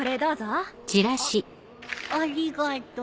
あっありがとう。